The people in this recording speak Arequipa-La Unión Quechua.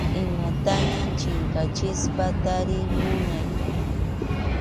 Imataña chinkachispapas tariy munay.